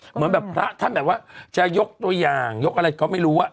เหมือนแบบพระท่านแบบว่าจะยกตัวอย่างยกอะไรก็ไม่รู้